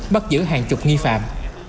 bắt giữ hàng chục nghi phạm